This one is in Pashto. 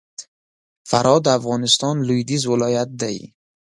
فراه د افغانستان لوېدیځ ولایت دی